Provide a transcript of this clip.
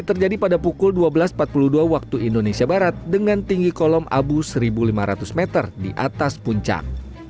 terjadi pada pukul dua belas empat puluh dua waktu indonesia barat dengan tinggi kolom abu seribu lima ratus meter di atas puncak